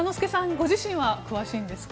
ご自身は詳しいんですか？